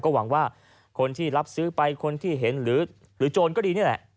หวังว่าคนที่รับซื้อไปคนที่เห็นหรือโจรก็ดีนี่แหละ